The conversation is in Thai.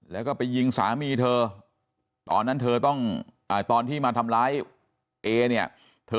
แล้วก็ไปยิงสามีเธอตอนนั้นเธอต้องตอนที่มาทำร้ายเอเนี่ยเธอ